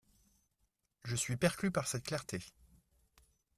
Je suis perclus par cette clarté.